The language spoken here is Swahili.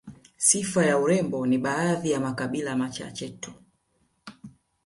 Sifa ya urembo ni baadhi ya makabila machache tu